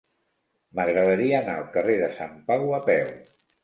M'agradaria anar al carrer de Sant Pau a peu.